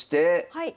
はい。